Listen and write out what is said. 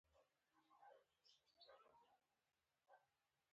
یو پخوانی خزانه دار راغی.